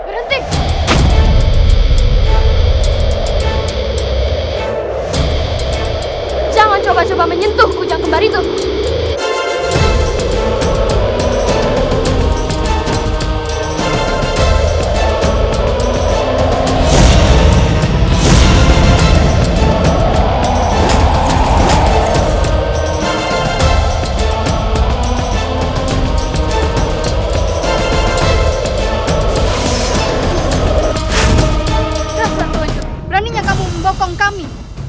rasulah rojo beraninya kamu membokong kami